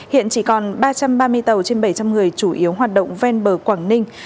hiện chỉ còn ba trăm ba mươi tàu trên bảy trăm linh người chủ yếu hoạt động ven bờ quảng ninh